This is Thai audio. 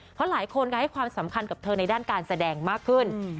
เพราะหลายคนให้ความสำคัญกับเธอในด้านการแสดงมากขึ้น